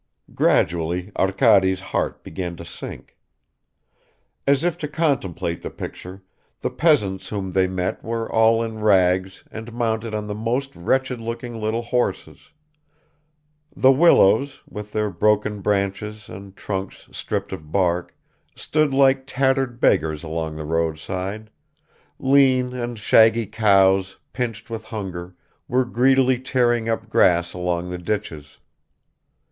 Gradually Arkady's heart began to sink. As if to complete the picture, the peasants whom they met were all in rags and mounted on the most wretched looking little horses; the willows, with their broken branches and trunks stripped of bark, stood like tattered beggars along the roadside; lean and shaggy cows, pinched with hunger, were greedily tearing up grass along the ditches.